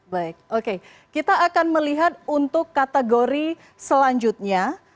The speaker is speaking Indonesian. baik oke kita akan melihat untuk kategori selanjutnya